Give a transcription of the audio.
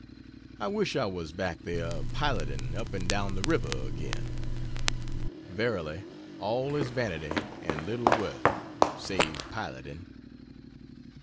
I wish I was back there piloting up and down the river again. Verily, all is vanity and little worth save piloting.